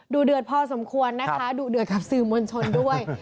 เดือดพอสมควรนะคะดุเดือดกับสื่อมวลชนด้วย